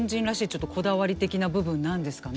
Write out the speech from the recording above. ちょっとこだわり的な部分なんですかね。